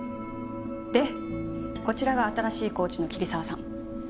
でこちらが新しいコーチの桐沢さん。